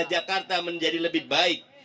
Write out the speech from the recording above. untuk mengubah jakarta menjadi lebih baik